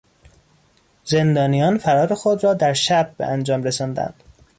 زندانیان فرار خود را در شب به انجام رساندند.